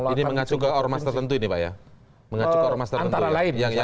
ini mengacu ke ormas tertentu ya pak ya